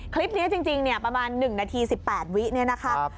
คลิปนี้จริงประมาณ๑นาที๑๘วินิตินะครับ